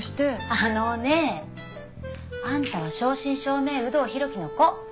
あのねあんたは正真正銘有働弘樹の子。